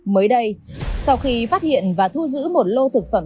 mới đây sau khi phát hiện và thu giữ một lô thực phẩm